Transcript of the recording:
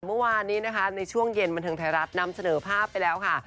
เมื่อวานนี้นะคะในช่วงเย็นบันเทิงไทยรัฐนำเสนอภาพไปแล้วค่ะ